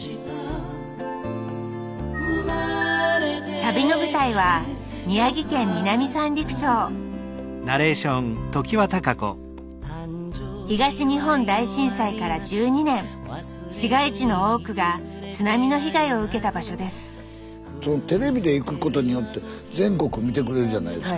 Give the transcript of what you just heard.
旅の舞台は宮城県南三陸町市街地の多くが津波の被害を受けた場所ですテレビで行くことによって全国見てくれるじゃないですか。